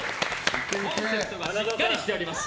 コンセプトがしっかりしております。